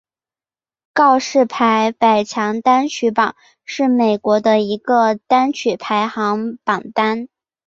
告示牌百强单曲榜是美国的一个单曲排行榜单。